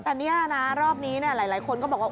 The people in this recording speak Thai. แต่นี่นะรอบนี้หลายคนก็บอกว่า